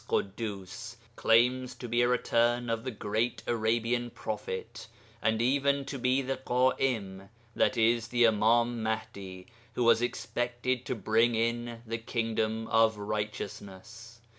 Ḳuddus) claims to be a 'return' of the great Arabian prophet and even to be the Ḳa'im (i.e. the Imām Mahdi), who was expected to bring in the Kingdom of Righteousness.